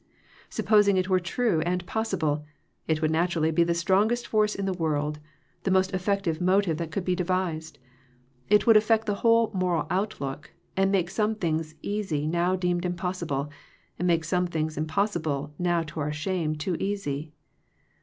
Supposing it were true and possible, it would naturally be the strongest force in the world, the most eflfective motive that could be devised: it would affect the whole moral outlook, and make some things easy now deemed impossible, and make some things im possible now to our shame too easy.